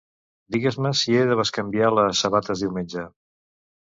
Digues-me si he de bescanviar les sabates diumenge.